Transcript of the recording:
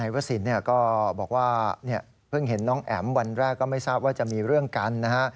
วสินก็บอกว่าเพิ่งเห็นน้องแอ๋มวันแรกก็ไม่ทราบว่าจะมีเรื่องกันนะฮะ